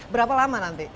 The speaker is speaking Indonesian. berapa lama nanti